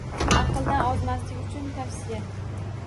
Aqldan ozmaslik uchun tavsiya